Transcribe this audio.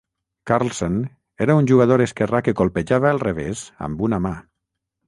Carlsen era un jugador esquerrà que colpejava el revés amb una mà.